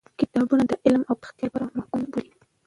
کتابونه د علم د پراختیا لپاره محکوم بولی.